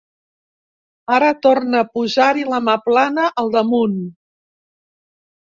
Ara torna a posar-hi la mà plana al damunt.